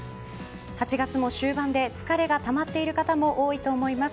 ８月も終盤で疲れがたまっている方も多いと思います。